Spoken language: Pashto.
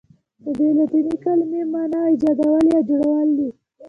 ددې لاتیني کلمې معنی ایجادول یا جوړول دي.